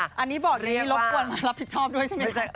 อันนี้บอกเรียกว่าอันนี้รถกวนมารับผิดชอบด้วยใช่ไหมคะ